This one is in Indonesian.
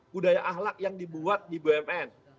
budaya ahlak yang dibuat di bumn